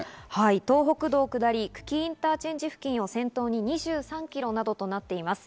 東北道下り久喜インターチェンジ付近を先頭に２３キロなどとなっています。